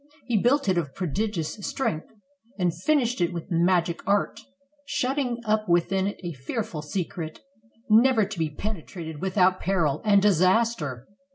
He built it of prodigious strength, and finished it with magic art, shutting up within it a fearful secret, never to be penetrated without peril and disaster.